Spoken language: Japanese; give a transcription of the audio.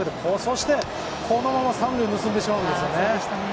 このまま三塁を盗んでしまうんですね。